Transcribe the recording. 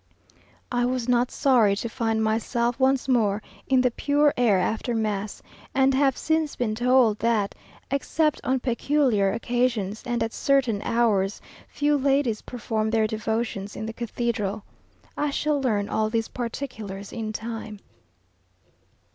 I was not sorry to find myself once more in the pure air after mass; and have since been told that, except on peculiar ocasions, and at certain hours, few ladies perform their devotions in the cathedral. I shall learn all these particulars in time.